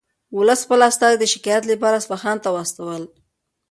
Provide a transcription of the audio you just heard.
ولس خپل استازي د شکایت لپاره اصفهان ته واستول.